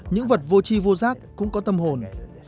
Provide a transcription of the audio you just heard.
những vật vô chi vô giác cũng có tâm hồn